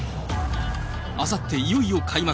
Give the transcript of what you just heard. あさって、いよいよ開幕。